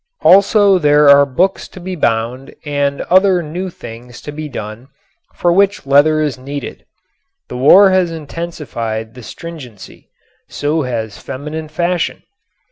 Also there are books to be bound and other new things to be done for which leather is needed. The war has intensified the stringency; so has feminine fashion.